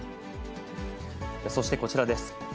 そしてこちらです。